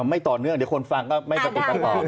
ไม่ต่อเนื่องเดี๋ยวคนฟังก็ไม่สติกันต่อ